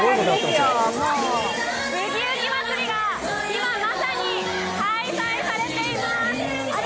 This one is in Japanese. ブギウギ祭が今まさに開催されています。